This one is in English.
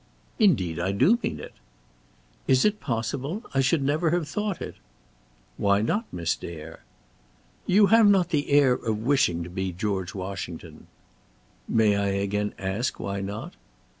"Indeed I do mean it." "Is it possible? I never should have thought it." "Why not, Miss Dare?" "You have not the air of wishing to be George Washington." "May I again ask, why not?"